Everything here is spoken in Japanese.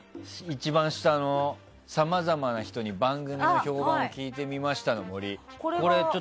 一番下の、さまざまな人に番組の評判聞いてみましたの森。